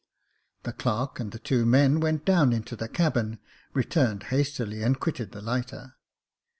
The clerk and the two men went down into the cabin, returned hastily, and quitted the lighter.